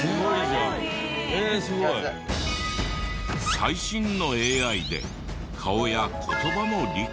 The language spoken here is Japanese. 最新のＡＩで顔や言葉も理解。